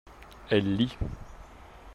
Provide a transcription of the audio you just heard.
Elle lit.